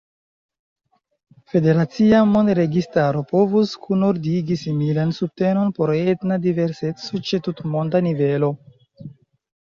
Federacia mondregistaro povus kunordigi similan subtenon por etna diverseco ĉe tutmonda nivelo.